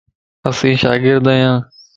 اسين شاگرد آھيان.